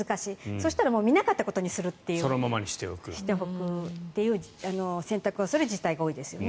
そしたら見なかったことにしておくという選択をする自治体が多いですよね。